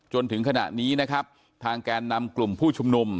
จนถึงขณะนี้นะครับทางแกนนำกลุ่มผู้ชุมนุม